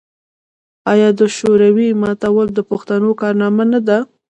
آیا د شوروي ماتول د پښتنو کارنامه نه ده؟